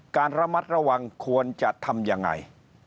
การระมัดระวังควรจะทำยังไง